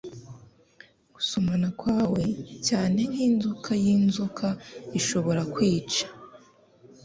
Gusomana kwawe cyane nk'inzoka y'inzoka Ishobora kwica,